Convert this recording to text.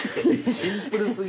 シンプル過ぎ？